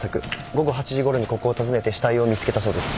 午後８時ごろにここを訪ねて死体を見つけたそうです。